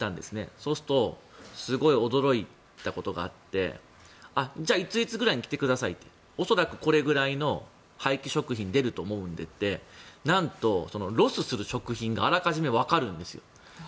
そうするとすごい驚いたことがあってじゃあ、いついつぐらいに来てくださいって恐らくこれぐらいの廃棄食品出ると思うんでってなんとロスする食品があらかじめわかるんですよ。